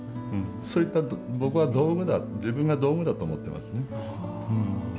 そういった僕は道具だ自分が道具だと思ってますね。